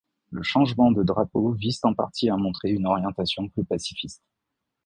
Le changement de drapeau vise en partie à montrer une orientation plus pacifiste.